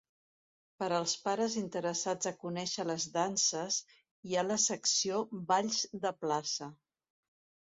Per als pares interessats a conèixer les danses, hi ha la secció Balls de Plaça.